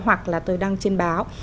hoặc là tôi đăng trên báo